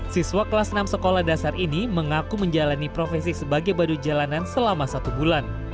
siswa kelas enam sekolah dasar ini mengaku menjalani profesi sebagai badut jalanan selama satu bulan